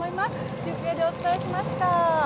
中継でお伝えしました。